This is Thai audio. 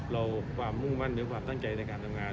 เราความมุ่งมั่นหรือความตั้งใจในการทำงาน